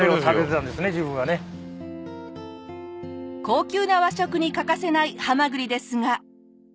高級な和食に欠かせないハマグリですが。